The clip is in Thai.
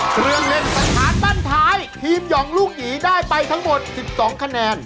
เครื่องเล่นสถานบ้านท้ายทีมหย่องลูกหยีได้ไปทั้งหมด๑๒คะแนน